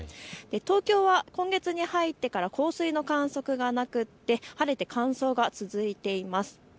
東京は今月に入ってから降水の観測がなくて晴れて乾燥が続いています。